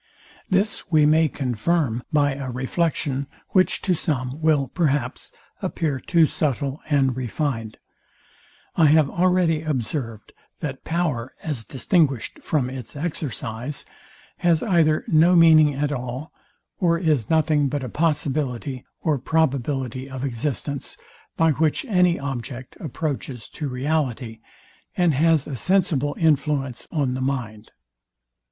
This we may confirm by a reflection, which to some will, perhaps, appear too subtile and refined. I have already observed, that power, as distinguished from its exercise, has either no meaning at all, or is nothing but a possibility or probability of existence; by which any object approaches to reality, and has a sensible influence on the mind.